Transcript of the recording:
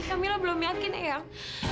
kamila belum yakin ayang